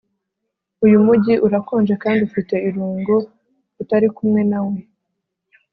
Uyu mujyi urakonje kandi ufite irungu utari kumwe nawe